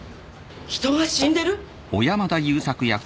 ⁉人が死んでる？